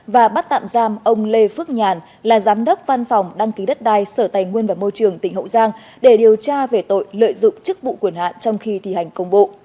và bắt tạm giam ông lê phước nhàn là giám đốc văn phòng đăng ký đất đai sở tài nguyên và môi trường tỉnh hậu giang để điều tra về tội lợi dụng chức vụ quyền hạn trong khi thi hành công bộ